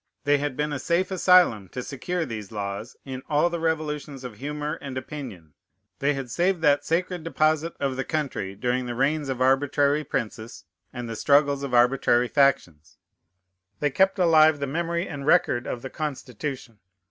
They had been a safe asylum to secure these laws, in all the revolutions of humor and opinion. They had saved that sacred deposit of the country during the reigns of arbitrary princes and the struggles of arbitrary factions. They kept alive the memory and record of the Constitution.